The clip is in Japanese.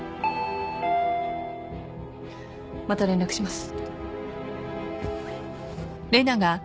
・また連絡します。